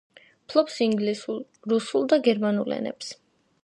ფლობს ინგლისურ, რუსულ და გერმანულ ენებს.